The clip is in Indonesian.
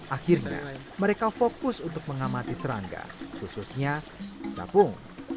akhirnya mereka fokus untuk mengamati serangga khususnya capung